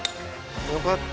よかった。